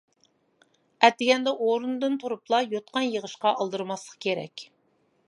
ئەتىگەندە ئورۇندىن تۇرۇپلا يوتقان يىغىشقا ئالدىرىماسلىق كېرەك.